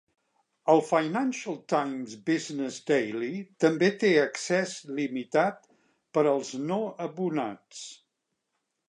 "El Financial Times" Business Daily també té accés limitat per als no abonats.